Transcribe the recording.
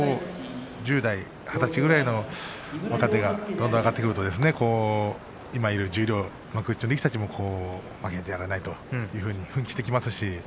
十代、二十歳ぐらいの若手がどんどん上がってくると今いる十両、幕内力士たちも負けていられないというふうに奮起してきますし